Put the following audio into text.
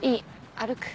歩く。